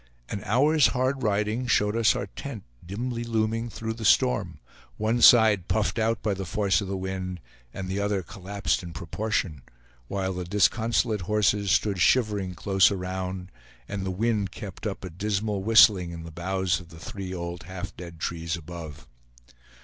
An hour's hard riding showed us our tent dimly looming through the storm, one side puffed out by the force of the wind, and the other collapsed in proportion, while the disconsolate horses stood shivering close around, and the wind kept up a dismal whistling in the boughs of three old half dead trees above.